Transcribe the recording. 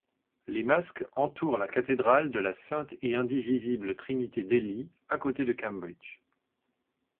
Les masques entourent la Cathédrale de la Sainte-et-Indivisible-Trinité d'Ely, à côté de Cambridge.